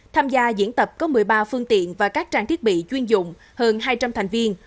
tham gia diễn tập có một mươi ba phương tiện và các trang thiết bị chuyên dụng hơn hai trăm linh thành viên